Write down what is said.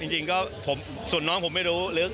จริงก็ส่วนน้องผมไม่รู้ลึก